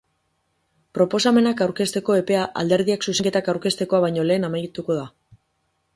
Proposamenak aurkezteko epea alderdiek zuzenketak aurkeztekoa baino lehen amaituko da.